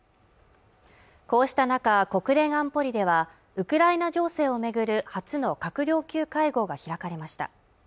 こうした中、国連安保理ではウクライナ情勢を巡る初の閣僚級会合が開かれました